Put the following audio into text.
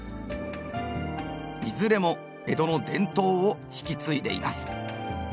いずれも江戸の伝統を引き継いでいます。